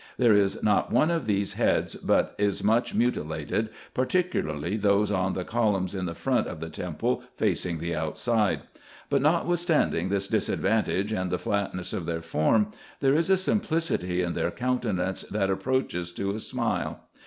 There is not one of these heads but is much mutilated, particularly those on the columns in the front of the temple facing the outside : but notwithstanding this disadvantage, and the flatness of their form, there is a simplicity in their coun tenance that approaches to a smile.